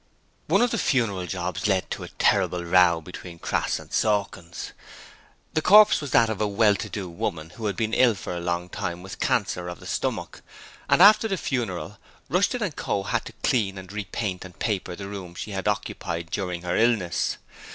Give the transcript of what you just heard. One of the funeral jobs led to a terrible row between Crass and Sawkins. The corpse was that of a well to do woman who had been ill for a long time with cancer of the stomach, and after the funeral Rushton & Co. had to clean and repaint and paper the room she had occupied during her illness.